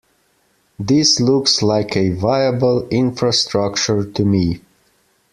This looks like a viable infrastructure to me.